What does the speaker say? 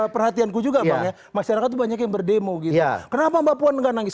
perhatian ku juga ya masyarakat banyak yang berdemo gitu kenapa mbak puan nggak nangis